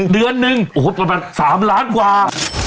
เดือนหนึ่งโอ้โหประมาณ๓ล้านกว่า